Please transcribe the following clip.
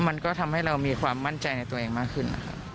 มันก็ทำให้เรามีความมั่นใจในตัวเองมากขึ้นนะครับ